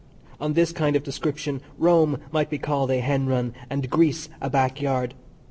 On this kind of description Rome might be called a hen run and Greece a back yard.